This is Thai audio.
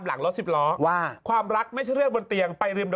หลังรถสิบล้อว่าความรักไม่ใช่เรื่องบนเตียงไปริม